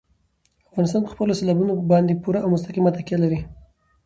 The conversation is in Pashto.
افغانستان په خپلو سیلابونو باندې پوره او مستقیمه تکیه لري.